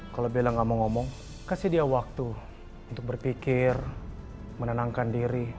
kalau bilang gak mau ngomong kasih dia waktu untuk berpikir menenangkan diri